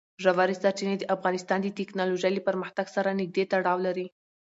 ژورې سرچینې د افغانستان د تکنالوژۍ له پرمختګ سره نږدې تړاو لري.